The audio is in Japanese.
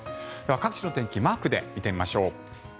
各地の天気マークで見てみましょう。